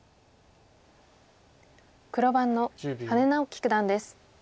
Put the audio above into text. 黒番の羽根直樹九段です。